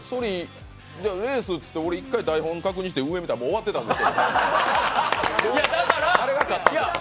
レースって俺一回台本確認して上向いたらもう終わってたんです。